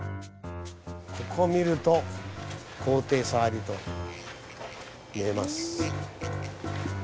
ここ見ると高低差ありと見えます。